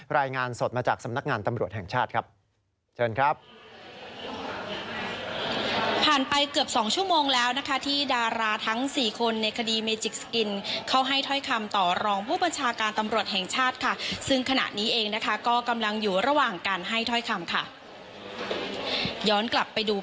รายงานสดมาจากสำนักงานตำรวจแห่งชาติครับเชิญครับ